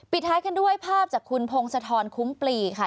ท้ายกันด้วยภาพจากคุณพงศธรคุ้มปลีค่ะ